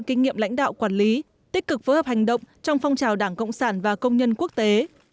kinh nghiệm lãnh đạo quản lý tích cực phối hợp hành động trong phong trào đảng cộng sản và công nhân quốc tế